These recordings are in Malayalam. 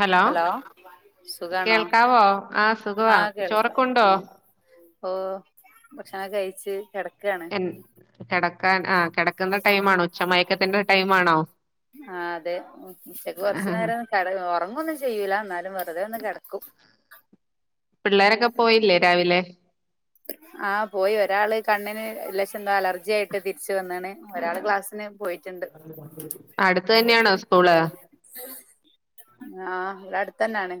ഹലോ. സുഖാണോ കേൾക്കാവോ ആ സുഖവാ. ആഹ് കേൾക്കാം ചോറൊക്ക ഉണ്ടോ ഉം ഓ ഭക്ഷണം കഴിച്ച് കെട എൻ കെടക്കാൻ ആ കെട ക്കുന്ന ടൈമ ആണോ. ഉച്ചമയക്കത്തിന്റെ ടൈമ ആണോ കെട ഒർങ്ങൊന്നും ചെയ്യൂല. ന്നാലും വെറുതെ ഒന്ന് കെടക്കും. പിള്ളേരൊക്കെ പോയില്ലേ രാവിലെ. ആ പോയി ഒരാള് കണ്ണിന് ലേശ എന്തോ അലർജി ആയിട്ട് തിരിച് വന്ന്ണ്. ഒരാള് ക്ലാസ്സിന് പോയി. അട്‌ത്ത് തന്നെയാണോ സ്കൂള് ആ ഇവ്ടെ അട്‌ത്തന്നെണ്.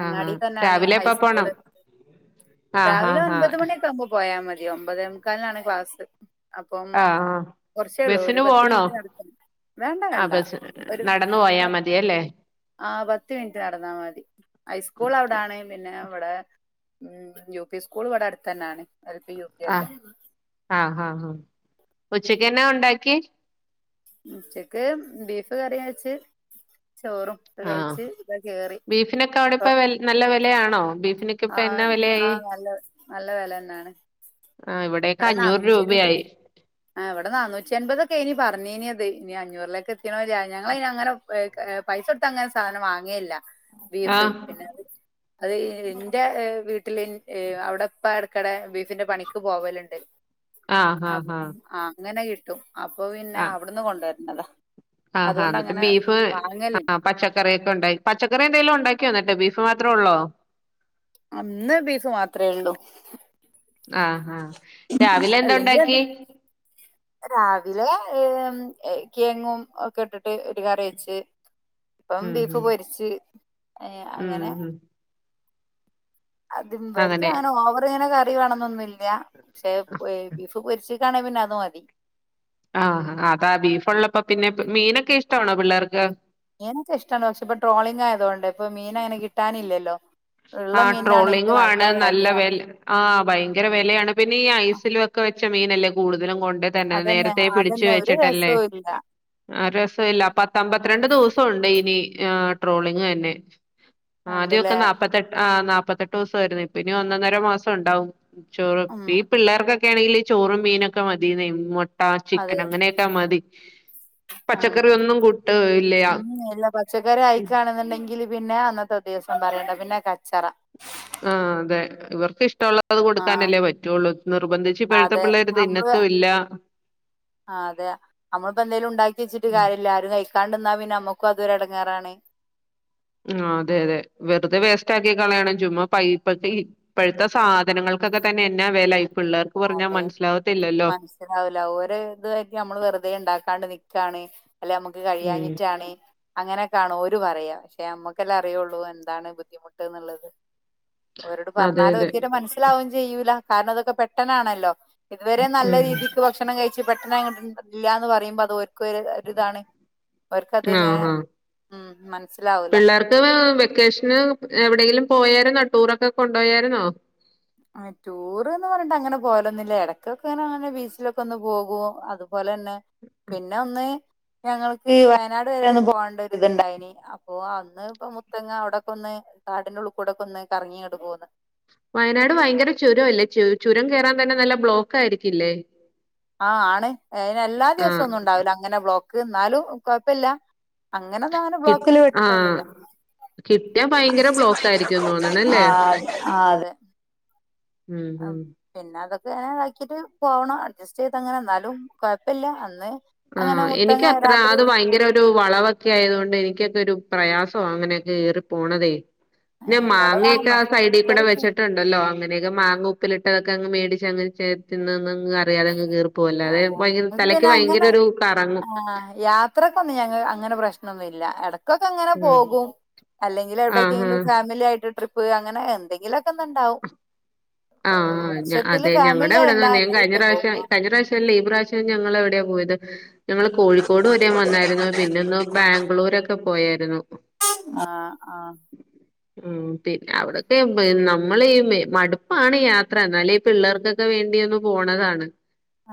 ആ ആ തന്നാണ് രാവിലെ എപ്പ ഹൈസ്കൂള്. പോണം ആ ആ രാവിലെ ആ ഒൻപത് ആ മണിയൊക്കെ ആവുമ്പോ പോയാ മതി. ഒമ്പതേ മുക്കാൽനാണ് ക്ലാസ്. അപ്പം ആ ആ കുറച്ചേ ഉള്ളൂ ഒരു ബസിന് പത്ത് പോണോ? മിനിറ്റ് നടക്കണം വേണ്ട ആഹ് വേണ്ട ബസ് നടന്നു പോയാ മതിയല്ലേ. ആഹ് പത്ത് മിനിറ്റ് നടന്നാ മതി. ഹൈസ്ക്കൂൾ അവിടാണ്. പിന്നെ ഇവിടെ ഉം യു പി സ്കൂൾ ഇവിടെ അടുത്ത്ന്നെണ് എൽ പി, യു പി ആഹ് ഒക്കെ ആഹ് ആഹ് ആഹാ ഉച്ചയ്ക്കന്നെ ണ്ടാക്കി. ഉച്ചക്ക് ബീഫ് കറിയ വെച്ച് ചോറും ഇത് ആഹ് കഴിച്ച് ഇതാ കേറി ബീഫിനൊക്കെഅടെപ്പോ വല് നല്ല വിലയാണോ ബീഫിന് ആഹ് ആഹ് നല്ല നല്ല വെ ലന്നാണ് ആഹ് ഇവിടെക്കെ അഞ്ഞൂറ് രൂപയായി ആഹ് ഇവിടെ നന്നൂറ്റി അമ്പതൊക്കെ യിനി പറഞ്നിയേത് ഇനി അഞ്ഞൂറേക്ക് എത്തിണോന്ന് ഞങ്ങള അങ്ങനെ പൈസ ഓട്ത് അങ്ങനെ സാനം വാങ്ങിയില്ല ബീഫ് ആഹ് പിന്നെ അത് അത് എന്റെ വീട്ടില് അവിടെപ്പ ഇടക്കടെ ബീഫിന്റെ പണിക്ക് പോവലുണ്ട് ആഹ് ആഹ് അപ്പൊ ആഹ് അങ്ങനെ കിട്ടും അപ്പൊ പിന്നെ ആഹ് അവിടുന്ന് കൊണ്ടുവരണതാ ആഹ് ആഹ് ന്നട്ട് ബീഫ് ആഹ് പച്ചക്കറിയൊക്കെ ഉണ്ടാക്ക പച്ചക്കറി എന്തെലും ഉണ്ടാക്കിയോ എ ന്നിട്ട് ബീഫ് മാത്രേ ഉള്ളോ ഇന്ന് ബീഫ് മാത്രേ ഉള്ളൂ ആഹ് ആഹ് രാവിലെ എന്താ അല്ലെങ്കിൽ അത് ഉണ്ടാക്കി രാവിലെ കിഴ ങ്ങും ഒക്കെ ഇട്ടിട്ട് ഒരു കറി വെച്ച് അപ്പം ഉം ബീഫ് ഉം പൊരിച്ച് അയ് ഉം അങ്ങനെ ഉം അങ്ങനെ അതിമ്പരത്തഅനെ ഓവർങ്ങനെ കറി വേണന്നില്ല ഇല്ല പക്ഷെ ബീഫ് പൊരിച്ചിക്കാണെ പിന്നെ അത് മതി ആഹ് അതാ ബീഫ് ഉള്ളപ്പോ പിന്നെ മീനൊക്കെ ഇഷ്ടണോ പിള്ളേർക്ക് മീനൊക്കെ ഇഷ്ടണ് പക്ഷെ പ്പൊ ട്രോളിംഗ് ആയതുകൊണ്ട് ഇപ്പ മീൻ അങ്ങനെ കിട്ടാനില്ലല്ലോ ഉള്ള ആഹ് മീനാണെങ്കിൽ ട്രോളിങ്ങു ആണ് നല്ല വിലയാണ് വേല ആഹ് ഭയങ്കര വെലയാണ് പിന്നെ ഈ ഐസില ഒക്കെ വെച്ച മീനല്ലേ കൂടുതലും കൊണ്ട് ത ന്നെ അതന്നെ നേരത്തെ പിടിച്ചു അതന്നെ ഒരു വെച്ചിട്ടല്ലേ രസവും ഇല്ല ആഹ് രസ ഇല്ല പത്തമ്പത്തിരണ്ട് ദിവസംഉണ്ട് ഇനിഏഹ് ട്രോളിംഗ തന്നെ ആഹ് ഉണ്ടല്ലേ ആദ്യംഒ ക്കെ നാപ്പത്തെട്ട് ആഹ് നാപത്തെട്ട് ദിവസയിരുന്നു ഇപ്പം ഇനി ഒന്ന് ഒന്നര മാസം ഉണ്ടാവും ചോറ ഉം ഈ പിള്ളേർക്കൊണെങ്കിൽ ചോറും മീനൊക്കെ മതിന്നെ മൊട്ട ആഹ് ചിക്കൻ അങ്ങനെയൊക്കാ മതി ഉ പച്ചക്കറി ഒന്നും കൂട്ട് ഇല്ല ഉം എല്ലാ പച്ചക്കാറി ആയിക്കണെന്നുണ്ടെങ്കില് പിന്നെ അന്നത്തെ ദിവസം പറയണ്ട പിന്നെ കച്ചറ ആഹ് അതെ ഇവർക്ക് ഇഷ്ടമുള്ള അത് ആഹ് കൊടുക്കാനല്ലേ പറ്റുള്ളൂ നിർബന്ധിച്ച് ഇപ്പഴത്തെ അതെ പിള്ളേർത് തി ന്നത്തും ഇല്ല ആഹ് അതെ നമ്മളിപ്പോ എന്തലും ഉണ്ടാക്കിയെച്ചിട്ട് ഉം കാര്യില്ല ആരും കഴിക്ക കണ്ടന്നാ പിന്നെ നമക്കും അതൊരു എ ടങ്ങാറാണ് ആഹ് അതെ അതെ വെറുതെ വേസ്റ്റ് ആക്കി കളയണം ചുമ്മ പൈപതി ഇപ്പോഴത്തെ സാധനങ്ങൾക്കൊക്കെ തന്നെ എന്ന വേല ഇ പിള്ളേർക്ക് പറഞ്ഞാ മനസ്സിലാകത്തില്ലല്ലോ താവൂല ഓരെ ഇതുവായിട്ട് നമ്മള് വെറുതേണ്ടാക്കാണ്ട് നി ക്കാണ് അല്ലെ മക്ക് ഉം കഴിയഞ്ഞിറ്റാണ് അങ്ങനെക്കാണ് ഓര് പറയാ പക്ഷെ മ്മക്കെല്ലെഅറിയുള്ളൂ എന്താണ് ബുദ്ധിമുട്ട് എന്നുള്ളത് ഓരോട് അതെ പറഞ്ഞാല് അതെ ഒരിക്കെറ്റും മനസ്സിലാവും ചെയ്യൂല കാരണം അതൊക്കെ പെട്ടനാണല്ലോ ഇതുവരെ നല്ല ഉം രീതിക്ക് ഭക്ഷണം കഴിച്ച്പെട്ടെന്ന് അങ്ങട്ട ഇല്ല ന്ന്പറയുമ്പോ അത് ക്ക് ഒര് രിതാണ് അവര്ക്കത്ങ്ങനെ ആഹ് ആഹ് ഉമ് മൻ പിള്ളേർക്ക് വെക്കേഷന് എവിടെയെങ്കിലും പോയായിരുന്നോ ടൂറൊക്കെ കൊണ്ടോയായിരുന്നോ ആ ടൂർ എന്ന് പറഞ്ഞിട്ട് അങ്ങനെ പോലൊന്നില്ല ഇടക്കൊക്കെങ്ങന അങ്ങനെ ബീച്ചിലൊക്കെ ഒന്ന് പോകും അതുപോലെ തന്നെ പിന്നെ ഒന്ന് ഞങ്ങൾക്ക് വയനാട് വരെ ഒന്ന് പോകണ്ട ഒരി ഇത്ണ്ടായിന് അപ്പൊ അന്ന് ഇപ്പ മുത്തങ്ങ അവിടൊക്ക ഒന്ന് കാടിന്റെ ഉള്ളൂ കൂടെ ക്കെ ഒന്ന് കറങ്ങിങ്ങോട്ട് പോന്ന് വയനാട് ഭയങ്കര ചുരംല്ലേ ചു ചുരം കയറാൻ തന്നെ നല്ല ബ്ലോക്ക് ആയിരിക്കില്ലേ ആഹ് ആണ് അന് എല്ലാ ആ ദിവസ ഒന്നും ഉണ്ടാവില്ല അങ്ങനെ ബ്ലോക്ക് എന്നാലും കൊഴപ്പില്ല അങ്ങനെന്നാങ്ങെ കി ബ്ലോക്കില് ആ പെട്ടിട്ട് ഒന്നില്ല കിട്ടിയാ ഭയങ്കര ബ്ലോക്ക് ആയിരിക്കും തോന്നണല്ലേ ആഹ് അതെ ഉം ആഹ് ഉം പിന്നെ അതൊക്കെ അങ്ങനെ ഇതാക്കിട്ട് പോവണം അഡ്ജസ്റ്റ് ചെയ്ത് അങ്ങനെ എന്നാലും കൊഴപ്പമില്ല അന്ന് അങ്ങനെ ആഹ് മുത്തങ്ങ എനിക്കത്ര രാത്രി അത് ഭയങ്കര. ഒരു വളവൊക്കെ ആയത് കൊണ്ട് എനിക്കൊക്കെ ഒരു പ്രയാസാ അങ്ങനെയൊക്കെ കയറി പോണതെ. പിന്നെ ഇവിടെ മാങ്ങയൊക്കെ താമ ആ സൈഡി ആഹ് കൂടെ എനിക്ക് വെച്ചിട്ടുണ്ട്. ഉണ്ടല്ലോ അങ്ങനെയൊക്കെ മാങ്ങ ഉപ്പിലിട്ടതൊക്കെ അങ്ങ് മേടിച്ച് അങ്ങ് ചേ തിന്ന്. അറിയ്യാതങ്ങ് കേറി പോകല്ലാതെ ഭയങ്കര തലയ്ക്ക് പിന്നെ ഭയങ്കര അങ്ങനെ ഒരു കറങ്ങും. ആഹ് യാത്രക്കൊന്നും ഞങ്ങ അങ്ങനെ പ്രശ്നൊന്നുല്ല. കൊക്കെ അങ്ങനെ ഉം പോകും അല്ലെങ്കിൽ ആഹ് എവിടെക്കെങ്കിലും ആഹ് ഫാമിലി ആയിട്ട് ട്രിപ്പ് അങ്ങനെ എന്തെങ്കിലൊക്കെ. ഉണ്ടാവും ആഹ് ഉച്ചത്തില് അതെ ഞങ്ങടെ അവിടെന്ന് ഫാമിലിയാല്ല. തന്നെ ഞാൻ കഴിഞ്ഞ പ്രാവശ്യം കഴിഞ്ഞ പ്രാവശ്യല്ല ഈ പ്രാവിശ്യം ഞങ്ങൾ എവിടെയാ പോയത്? ഞങ്ങള് കോഴിക്കോട് വരെ വന്നായിരുന്നു പിന്നെ ഒന്ന് ബാംഗ്ലൂരൊക്കെ പോയായിരുന്നു. ആഹ് ആഹ് ഉം പിന്നെ അവിടൊക്കെ. [unintelligible] നമ്മള് ഈ മടുപ്പാണ് ഈ യാത്ര എന്നാലും ഈ പിള്ളേർക്കൊക്കെ വേണ്ടി ഒന്ന് പോണതാണ്.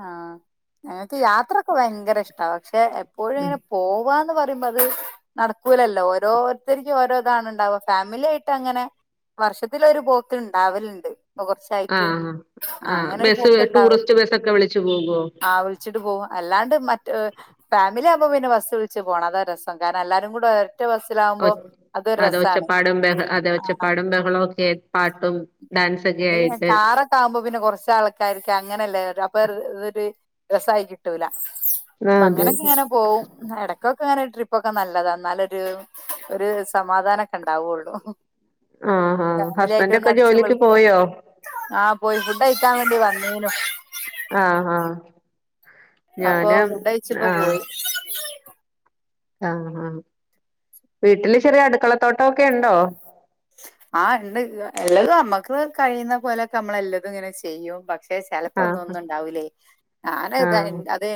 ആഹ് ഞങ്ങക്ക് യാത്രയൊക്കെ ഭയങ്കര ഇഷ്ട പക്ഷെ എപ്പോഴും ഉം ഇങ്ങനെ പോവാന്ന് പറ ത് നടക്കൂലല്ലോ ഓരോരുത്തരും ഓരോ ഇതാണ് ഉണ്ടാവ ഫാമിലി ആയിട്ട് അങ്ങനെ. വർഷത്തില് ഒരു പോക്ക് ഇണ്ടാവലുണ്ട്. ഇപ്പൊ കുറച്ചായിട്ട് ആഹ് ആ ആഹ് അങ്ങനെ ഒരു ബസ് ടൂറിസ്റ്റ് ബസ് ഒക്കെ വിളിച്ചു പോകുവോ? ആഹ് വിളിച്ചിട്ട് പോകും അല്ലാണ്ട് മറ്റേ ഫാമിലി ആകുമ്പ പിന്നെ ബസ് വിളിച്ച് പോണം അതാ രസം കാരണം എല്ലാരും കൂടെ. ഒറ്റ ബസിലാവുമ്പൊ. അത ഒച്ചപ്പാടും ബഹളം അതെ ആ ഒച്ചപ്പാടും ബഹളം ഒക്കെ പാട്ടും ഡാൻസ് ഒക്കെ. പിന്നെ കാറൊക്കെ ആകുമ്പോ പിന്നെ കുറച്ച് ആൾക്കാരിക്ക അങ്ങനെയല്ലേ അപ്പൊ ഒര്. രസായി കിട്ടൂല. അപ്പൊ ആഹ് അതെ. അങ്ങനൊക്കെ ഇങ്ങനെ പോവും ഇടക്കൊക്കെ അങ്ങനെ ട്രിപ്പ് ഒക്കെ നല്ലതാ എന്നാലൊരു ഒരു സമാധാനൊക്കെ. ണ്ടാവുള്ളു ആഹ് ആഹ് ഫാമിലിയിട്ട് ഹസ്ബൻഡ് ഒന്ന് ഒക്കെ അടിച്ച് ജോലിക്ക് പൊളിക്കാൻ. പോയോ ആഹ് പോയി ഫുഡ് കഴിക്കാൻ വേണ്ടി വന്നിനു. ആഹ് ആഹ് അപ്പൊ ഞാന് ഫുഡ് കഴിച്ചിപ്പോ ആഹ് പോയി ആഹ് ആഹ് വീട്ടില് ചെറിയ അടുക്കളത്തോട്ടമൊക്കെ ഉണ്ടോ? ആഹ് ഉണ്ട് എല്ലതും നമ്മക്ക് കഴിയുന്ന പോലൊക്കെ നമ്മൾ എല്ലതും ഇങ്ങനെ ചെയ്യും. പക്ഷെ ചിലപ്പോ ഒന്നും ആഹ് ഒന്നും ഉണ്ടാവൂലെയ് ഞാന് ഇത ആഹ് അത്.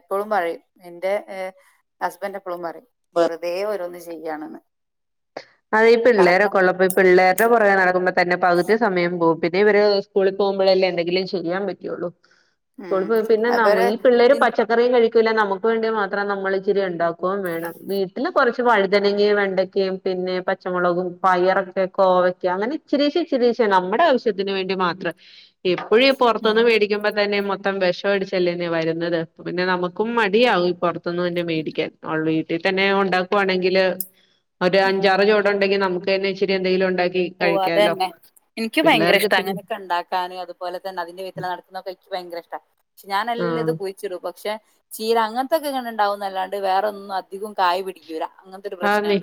എപ്പളും പറയും എന്റെ ഏഹ് ഹസ്ബൻഡ് എപ്പളും പറയും വെറുതെ ഓരോന്ന് ചെയ്യാണ്ന്ന്. അതെ ഈ കാരണം പിള്ളേരൊക്കെ ഉള്ളപ്പോ ഈ പിള്ളേരുടെ പുറകേ നടക്കുമ്പോ തന്നെ പകുതി സമയം പോകും. ഇത് ഇവര് സ്കൂളിൽ പോകുമ്പോഴല്ലേ എന്തെങ്കിലും ചെയ്യാൻ പറ്റുള്ളൂ. ഉം സ്കൂളിൽ പോയ പിന്നെ നമ്മൾ അവര് ഈ പിള്ളേര് ഇതിൻ പച്ച റിയും കഴിക്കൂല്ല നമുക്ക് വേണ്ടി മാത്രം നമ്മൾ ഇച്ചിരി ഉണ്ടാക്കുകയും വേണം വീട്ടില് കുറച്ച് വഴുതനങ്ങയും വെണ്ടക്കയും. പിന്നെ പച്ചമുളകും പയറൊക്കെ കോവക്ക അങ്ങനെ ഇച്ചിരിച്ചെ ഇച്ചിരിച്ചെ നമ്മുടെ ആവശ്യം. ത്തിന് വേണ്ടി മാത്രം എപ്പോഴും ഈ പുറത്തുന്ന് ഉം. വേടി ക്കുമ്പം തന്നെ മൊത്തം വിഷം അടിച്ചല്ലേന്നെ വരുന്നത് പിന്നെ നമുക്കും മടിയാവും ഇപ്പം. പുറത്ത് തന്നെ മേടിക്കാൻ [unintelligible] വീട്ടിൽ തന്നെ ഉണ്ടാക്കുവാണെങ്കില്. ഒരു അഞ്ചാറ് ചുവട് ഉണ്ടെങ്കിൽ നമുക്ക് തന്നെ ഇച്ചിരി എന്തെങ്കിലും ഉണ്ടാക്കി ഓഹ് കഴിക്കാലോ? അതന്നെ. എനിക്ക് പിള്ളേർക്ക് ഭയങ്കരഷ്ട ഇത്തിരി അങ്ങനൊക്കെ ഉണ്ടാക്കാനും അതുപോലെ അതിന്റെ വയിത്തെലെ നടക്കുന്ന തൊക്കെ എനിക്ക് ഭയങ്കര ഇഷ്ട. ഞാനെല്ലാം ഇത് ആഹ് പോയി. പക്ഷെ ചീര അങ്ങനത്തൊക്കെ ഇങ്ങനെ ഉണ്ടാവുന്നല്ലാണ്ട് വേറൊന്നും അധികം കായ പിടിക്കുല. ആന്നേ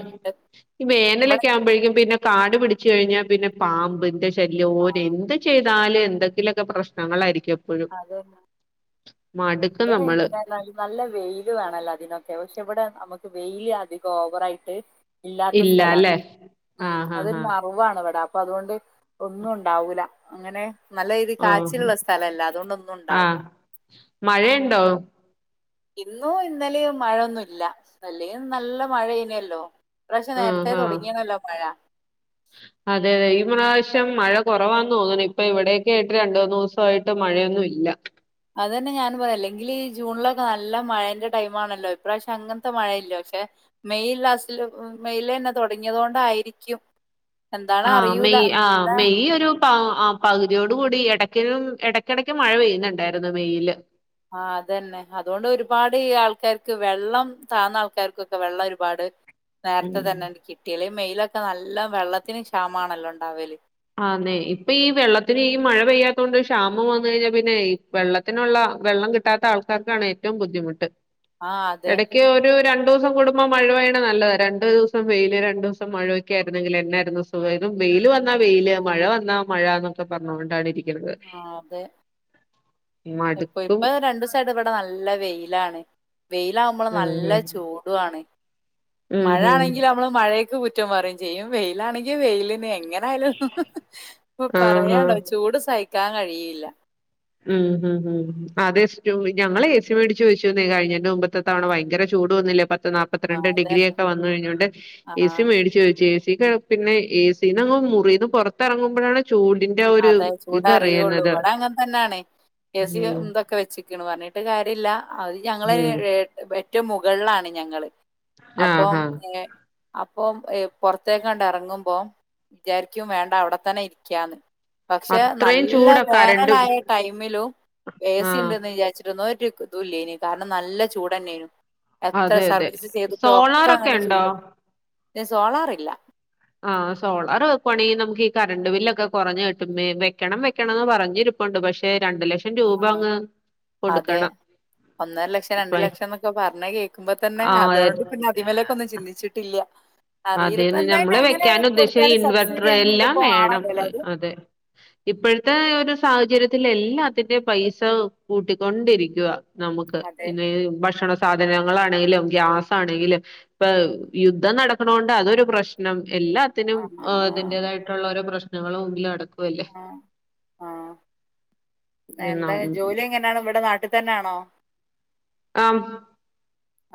ഈ വേനലൊക്കെ ആവുമ്പോഴേക്കും പിന്നെ കാട് പിടിച്ചു കഴിഞ്ഞാ പിന്നെ പാമ്പ് ന്റെ. ശല്യോര് ആഹ് എന്ത് ചെയ്താലും എന്തെങ്കിലൊക്കെ പ്രശ്നങ്ങളായിരിക്കും. എപ്പഴും അതന്നെ. മടുക്കും നമ്മള്. നൽ നല്ല വെയില് വേണല്ലോ അതിനൊക്കെ പക്ഷെ ഇവിടെ നമുക്ക് വെയില് അധിക ഓവറായിട്ട്. ഇല്ലാത്ത ഇല്ല സ്ഥലാണ് അല്ലേ ഉം ആഹ് അതൊരു ആഹ് ആഹ് മറവാണ് ഇവിടെ അപ്പൊ അതുകൊണ്ട്. ഒന്നും ഒണ്ടാവൂല അങ്ങനെ നല്ല രീതി ഓഹ് കാച്ചിള്ള സ്ഥലല്ല അതുകൊണ്ടൊന്നും ഒണ്ടാവൂല്ല മഴയൊണ്ടോ ഇന്നു ഇന്നലെയൊ മഴോന്നു ഇല്ല അല്ലങ്കി നല്ല മഴ ഇനല്ലോ ഈ പ്രാവശ്യം നേരത്തെ ആഹ് ആഹ് തുടങ്ങിന്നാല്ലോ മഴ അതെ അതെ ഈ പ്രാവശ്യം മഴ കൊറവാന്ന് തോന്നുന്നു ഇപ്പ ഇവിടെക്കെ ആയിട്ട് രണ്ടുന്നുസയിട്ട് മഴഒന്നും ഇല്ല അത് തന്നെ ഞാൻ പറയല്ലെങ്കിൽ ഈ ജൂണിലൊക്കെ നല്ല മഴന്റെ ടൈംമാണല്ലോ ഇപ്രാവശ്യം അങ്ങത്തെ മഴഇല്ലാ പക്ഷെ മെയ് ലാസ്റ്റില് മെയിലാന്നെ തൊടങ്ങിയത് കൊണ്ടായിരിക്കും എന്താണ് ആഹ് അറിയൂല മെയ് ആഹ് നല്ല മെയ് ഒരു പാ ആഹ് പകുതിയോട് കൂടി എടക്ക് എടക്കെടയ്ക്ക് മഴ പെയ്യുന്നുണ്ടായിരുന്നു മെയില് ആഹ് അതന്നെ അതുകൊണ്ട് ഒരുപാട്ഈ ആൾക്കാർക്ക് വെള്ളം താന്ന ആൾക്കാർക്കൊക്കെ വെള്ളം ഒരുപാട് നേരത്തെ ഉം തന്നെ കിട്ടിആല്ലേ മെയിലൊക്കെ നല്ല വെള്ളത്തിന് ക്ഷാമാണല്ലോ ഒണ്ടാവല് ആന്നെ ഇപ്പ ഈ വെള്ളത്തിന് ഈ മഴ പെയ്യാത്തൊണ്ട് ക്ഷാമം വന്ന കഴിഞ്ഞാ പിന്നെ ഈ വെള്ള ത്തിനുള്ള വെള്ളം കിട്ടാത്ത ആൾക്കാർക്കാണ് ഏറ്റോം ബുദ്ധിമുട്ട് ആഹ് അതെ ഒക്കെ ഒരു രണ്ടുസം കൂടുമ്പോ മഴ പെയ്യണ നല്ലതാ രണ്ടു ദിവസം വെയില് രണ്ടു ദിവസം മഴഓക്കെ ആയിരുന്നെങ്കി എന്നായിരുന്നു സുഖം ഇത് വെയില് വന്നാ വെയില് ആ മഴ വന്നാ മഴന്നൊക്കെ പറഞ്ഞോണ്ടാണ് ഇരി ആഹ് അതെ ഇപ്പൊ മടുക്കും ഇപ്പൊ രണ്ടുസയിട്ട് ഇവിടെ നല്ല വെയിലാണ് വെയിലാവമ്പള് ഉം നല്ല ഉം ചൂടു ആണ് ഉം ഉം മഴാണെങ്കിൽ നമ്മള് മഴ ക്ക് കുറ്റം പറയും ചെയ്യും വെയിലാണെങ്കി വെയിലിന് എങ്ങനെ ആയാലും ഇപ്പ ആഹ് ആഹ് പറയണ്ട ചൂട് സഹിക്കാൻ കഴിയില്ല ഉം ഉം ഉം അതെ സ്റ്റുവിന്റെ ഞങ്ങള് ഏ സിമേടിച്ച് വെച്ചൂന്നെ കഴിഞ്ഞന്റെ മുമ്പത്തെ ഇത്തവണ ഭയങ്കര ചൂട് വന്നില്ലെ പത്ത് നാ ല് ആ പത്തിരണ്ട് അതന്നെ ഡിഗ്രിഓക്കെ വന്ന കഴിഞ്ഞൊണ്ട് ആ ഏ സി മേടിച്ച് വെച്ചു ഏ സിക്ക് പിന്നെ ഏ സീന്ന്ങ്ങ് മുറിന്ന് പൊ റത്തിറങ്ങുമ്പഴാണ് ചൂടിന്റ ഒരു ഇതറിയുന്നത് അങ്ങന തന്നാണെ ഏ സിയെ ഉം എന്തൊക്കെ വെച്ചിക്കണ്‌ പറഞ്ഞിട്ട് കാര്യഇല്ല അത് ഞങ്ങളെ ഉം ഏറ്റോം മുകളാണ് ഞങ്ങള് ആഹ് അപ്പം ആഹ് ഏ അപ്പൊ ഏ പൊറത്തേക്കണ്ട് എറങ്ങുമ്പോം വിചാരിക്കും വേണ്ട അവിടെത്തന്നെ ഇരിക്കാന്ന് പക്ഷെ അത്രയും നല്ല ചൂടാ കരണ്ടും വേനലായ ടൈമിലും ഏ സി ആഹ് ഉണ്ടെന്ന് വിചാരിച്ചിട്ടൊന്നുഒരു ഇതുലെനെ കാരണം നല്ല ചൂടന്നെനു എത്ര അതെ അതെ സർവീസ് ചെയ്തിട്ടും ഒക്കെ സോളാറൊക്കെ അങ്ങനെ ഉണ്ടോ ചൂട് ഈ സോളാറില്ല ആഹ് സോളാർ വെക്കുവണെങ്കി നമുക്ക് ഈ കറണ്ട് ബില്ലൊക്കെ കൊറഞ്ഞു കിട്ടും വെ വെക്കണം വെക്കണംന്ന് പറഞ്ഞിരി പ്പ്ണ്ട് പക്ഷെ രണ്ട് ലക്ഷം രൂപ ആഹ്. അങ്ങ് കൊടുക്കണം ഒന്നര ലക്ഷം രണ്ട്ലക്ഷം എന്നൊക്കെ പറഞ്ഞ കേക്കുമ്പ തന്നെ ആഹ് അതുകൊണ്ട് പിന്നെ അതിമലേക്ക് ഒന്ന് ചിന്തിച്ചി ട്ടില്ല അതെന്ന് നമ്മള് വെക്കാൻ ഉദ്ദേശിച്ച കൊടുത്താല് ഇൻവെർട്ടർ സബ്സിഡി അങ്ങനെ എല്ലാം എന്തൊക്കെ വേണം ആണല്ലോല്ലേ അത്? അതെ ഇപ്പോഴത്തെ ഒരു സാഹചര്യത്തില് എല്ലാത്തിന്റെ പൈസ കൂട്ടിക്കൊണ്ടിരിക്കുവ നമുക്ക് അതെ. പിന്നെ ഭക്ഷണ സാധനങ്ങളാണെലും ഗ്യാസ് ആണെങ്കിലും ഇപ്പ യുദ്ധം നടക്കണോണ്ട് അതൊരു പ്രശ്നം എല്ലാത്തിനും ആഹ്, ആഹ്, അതിന്റേതായി ട്ടൊള്ള ഓരോ പ്രശ്നങ്ങളും മുമ്പിൽ നടക്കുആല്ലേ ആഹ്. ആഹ് എന്താ ജോലി എങ്ങനാണ് ഇവിടെ നാട്ടി തന്നാണോ ആം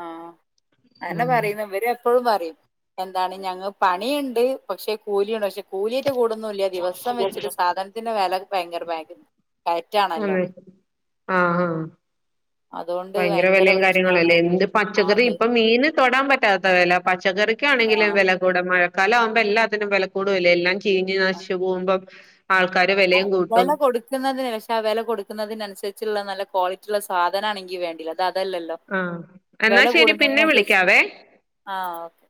ആഹ് ആഹ് അങ്ങനെ പറയുന്നു ഇവര് എപ്പോഴും പറയും എന്താണ് ഞങ്ങ പണിയിണ്ട് പക്ഷെ കൂലിയണ്ട് പക്ഷെ കുലിന്റെ കൂടന്നുല്ല ദിവസം വെച്ചിട്ട് സാധനത്തിന്റെ വെല ഭയങ്കര പകു ആന്നെ ആഹ് ആഹ് അതുകൊണ്ട് ഭയങ്കര വെലയും കാര്യങ്ങളും പ്രശ്നാണ് അല്ലേ എന്ത് ആഹ് പച്ചക്കറി അതെ ഇപ്പ മീന് തൊടാൻ പറ്റാത്ത വെല പച്ചക്കറിക്കാണെങ്കിലും ആഹ് വെല കൂടെ മഴക്കാലം ആവുമ്പ എല്ലാത്തിനും വെലക്കൂടുവല്ലേ എല്ലാം ചീഞ്ഞ് നശിച്ചു പോകുമ്പം ആൾക്കാര് വെലേം കൂട്ടും വില കൊടുക്കുന്നതിന് പക്ഷെ ആ വില കൊടുക്കുന്നതിനന്നുസരിച്ചുള്ള നല്ല ക്വാളിറ്റിയ ഉള്ള സാധന ആണെങ്കിൽ വേണ്ടില്ല ഇത് അതല്ലോ ആഹ് എന്നാ ശരി പിന്നെ വിളിക്കാവേ ആഹ് ഓക്കെ